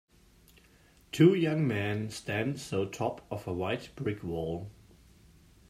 Two young men stand so top of a white brick wall.